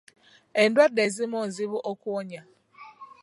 Endwadde ezimu nzibu okuwonya.